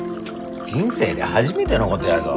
人生で初めてのことやぞ！